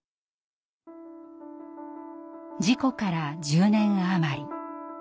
事故から１０年余り。